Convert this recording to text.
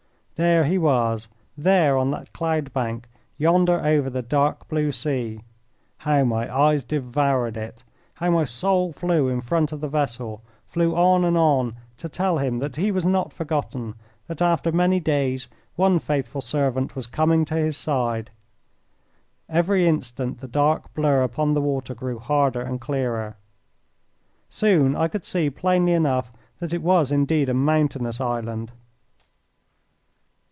There he was, there on that cloud bank yonder over the dark blue sea. How my eyes devoured it! How my soul flew in front of the vessel flew on and on to tell him that he was not forgotten, that after many days one faithful servant was coming to his side. Every instant the dark blur upon the water grew harder and clearer. Soon I could see plainly enough that it was indeed a mountainous island.